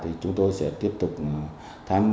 thì chúng tôi sẽ đối với các ngư dân sản xuất hành viện